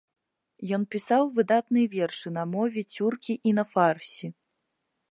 Ён пісаў выдатныя вершы на мове цюркі і на фарсі.